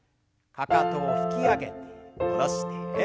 かかとを引き上げて下ろして。